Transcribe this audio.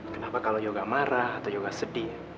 kenapa kalau yoga marah atau juga sedih